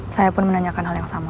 saya pun menanyakan hal yang sama